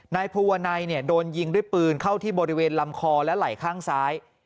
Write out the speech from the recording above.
นายภูวนัยโดนยิงด้วยปืนเข้าที่บริเวณลำคอและไหล่ข้างซ้าย